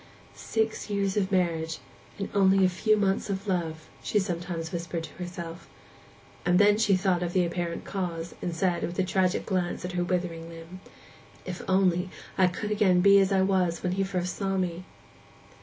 'Six years of marriage, and only a few months of love,' she sometimes whispered to herself. And then she thought of the apparent cause, and said, with a tragic glance at her withering limb, 'If I could only again be as I was when he first saw me!